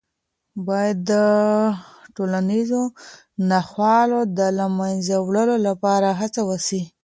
باید د ټولنیزو ناخوالو د له منځه وړلو لپاره هڅه وسي.